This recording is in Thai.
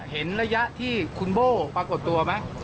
เห็นระยะที่คุณโบ้ปรากฏตัวไหม